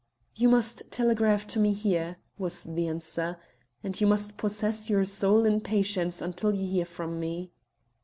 "You must telegraph to me here," was the answer, "and you must possess your soul in patience until you hear from me.